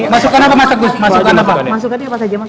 masukan apa pak pratik